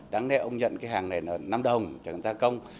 đáng lẽ ông nhận cái hàng này là năm đồng chẳng hạn gia công